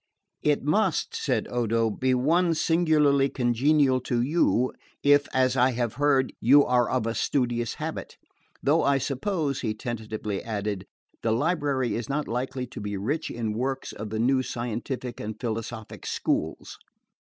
"It must," said Odo, "be one singularly congenial to you, if, as I have heard, you are of a studious habit. Though I suppose," he tentatively added, "the library is not likely to be rich in works of the new scientific and philosophic schools."